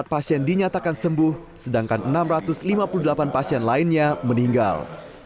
dua tiga ratus delapan puluh empat pasien dinyatakan sembuh sedangkan enam ratus lima puluh delapan pasien lainnya meninggal